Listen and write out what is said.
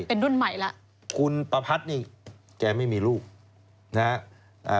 เป็นรุ่นใหม่แล้วคุณประพัทธ์นี่แกไม่มีลูกนะฮะอ่า